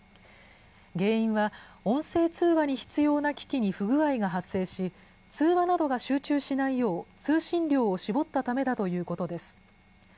原因は、音声通話に必要な機器に不具合が発生し、通話などが集中しないよう、通信量を絞ったためだということです。